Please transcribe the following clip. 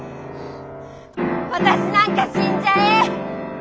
私なんか死んじゃえ！